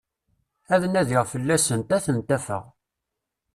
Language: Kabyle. Ad nadiɣ fell-asent, ad tent-afeɣ.